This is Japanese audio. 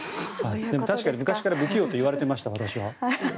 確かに昔から私は不器用だと言われていました。